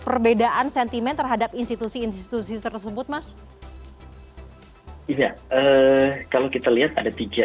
perbedaan sentimen terhadap institusi institusi tersebut mas iya kalau kita lihat ada tiga